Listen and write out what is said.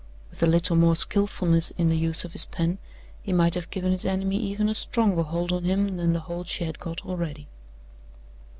With a little more skillfulness in the use of his pen, he might have given his enemy even a stronger hold on him than the hold she had got already.